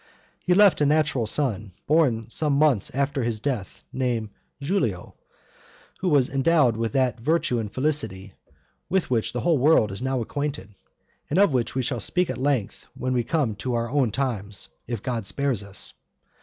He left a natural son, born some months after his death, named Giulio, who was endowed with that virtue and felicity with which the whole world is now acquainted; and of which we shall speak at length when we come to our own times, if God spare us.